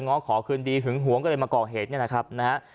้อขอคืนดีหึงหวงก็เลยมาก่อเหตุนี่แหละครับนะฮะ